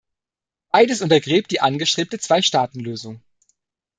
Beides untergräbt die angestrebte Zwei-Staaten-Lösung.